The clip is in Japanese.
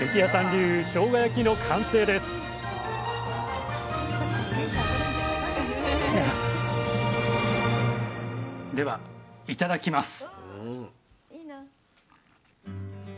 流しょうが焼きの完成ですではいただきます。